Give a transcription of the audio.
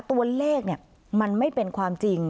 ตัวเลขมันไม่เป็นความจริง